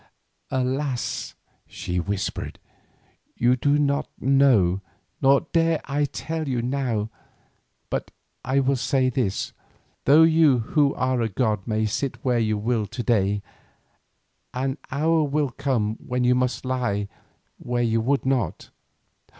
"Alas!" she whispered, "you do not know, nor dare I tell you now. But I will say this: though you who are a god may sit where you will to day, an hour shall come when you must lie where you would not.